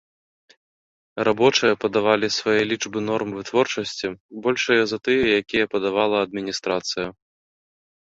Рабочыя падавалі свае лічбы норм вытворчасці, большыя за тыя, якія падавала адміністрацыя.